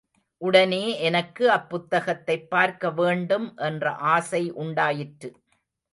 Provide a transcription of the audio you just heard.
உடனே எனக்கு அப்புத்தகத்தைப் பார்க்க வேண்டும் என்ற ஆசை உண்டாயிற்று.